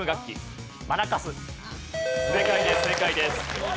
正解です正解です。